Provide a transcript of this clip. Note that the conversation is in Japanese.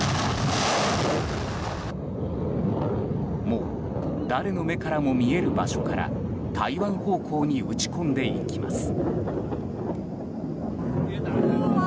もう誰の目からも見える場所から台湾方向に撃ち込んでいきます。